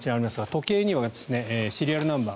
時計にはシリアルナンバー